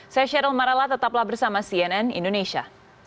saya cheryl maralla tetaplah bersama cnn indonesia